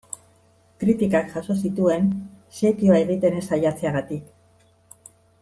Kritikak jaso zituen setioa egiten ez saiatzeagatik.